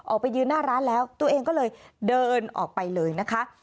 ออกไปยืนหน้าร้านแล้วตัวเองก็เลยเดินออกไปเลยนะคะ